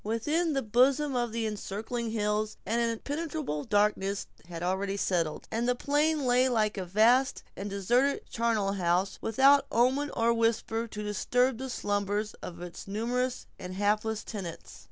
Within the bosom of the encircling hills, an impenetrable darkness had already settled; and the plain lay like a vast and deserted charnel house, without omen or whisper to disturb the slumbers of its numerous and hapless tenants.